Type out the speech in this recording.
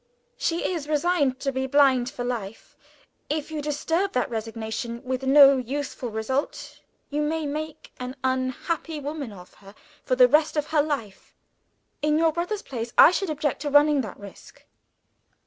She is resigned to be blind for life. If you disturb that resignation with no useful result, you may make an unhappy woman of her for the rest of her days. In your brother's place, I should object to running that risk."